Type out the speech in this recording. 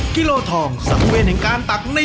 ฮิโลทองสัมเวณแห่งการตักในวันนี้